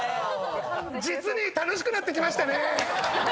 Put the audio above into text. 実に楽しくなってきましたね。